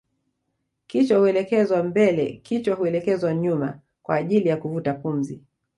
Kichwa huelekezwa mbele kichwa huelekezwa nyuma kwa ajili ya kuvuta pumzi